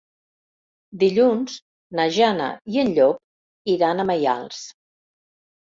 Dilluns na Jana i en Llop iran a Maials.